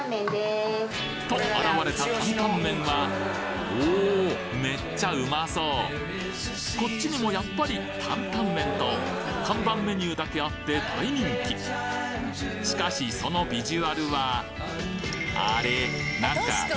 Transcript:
と現れたタンタンメンはおめっちゃうまそうこっちにもやっぱりタンタンメンと看板メニューだけあって大人気しかしそのビジュアルはあれ？